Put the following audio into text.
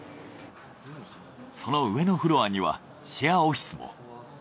その上のフロアにはシェアオフィスも。